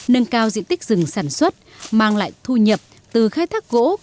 nâng cao diện tích rừng sản xuất mang lại thu nhập từ khai thác gỗ